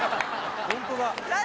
ホントだ